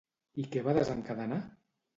I què va desencadenar?